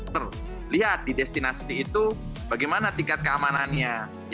terlihat di destinasi itu bagaimana tingkat keamanannya